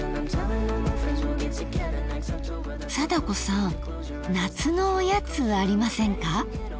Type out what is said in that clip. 貞子さん夏のおやつありませんか？